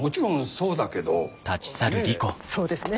そうですね。